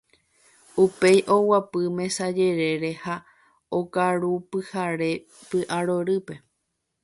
upéi oguapy mesa jerere ha okarupyhare py'arorýpe.